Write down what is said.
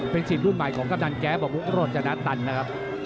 เป็นสีดรุ่นใหม่ของคำดันแก๊ยบะปุ๊กรถชะนัดตันนะครับ